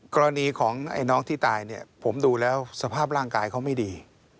กรณีของน้องที่ตายเนี่ยผมดูแล้วสภาพร่างกายเขาไม่ดี